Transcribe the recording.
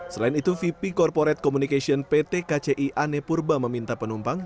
selain itu vp corporate communication pt kci ane purba meminta penumpang